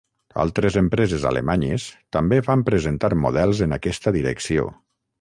Altres empreses alemanyes, també van presentar models en aquesta direcció.